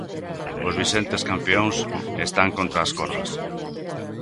Os vixentes campións están contra as cordas.